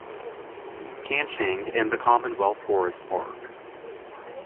Kanching, and the Commonwealth Forest Park.